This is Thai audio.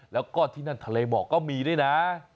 แล้วก็ที่นั่นทะเลหมอกก็มีด้วยนะ